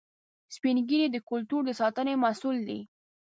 سپین ږیری د کلتور د ساتنې مسؤل دي